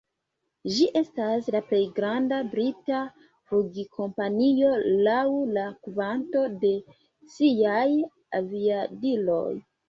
Ĝi estas la plej granda brita flugkompanio laŭ la kvanto de siaj aviadiloj.